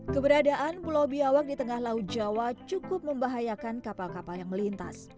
keberadaan pulau biawak di tengah laut jawa cukup membahayakan kapal kapal yang melintas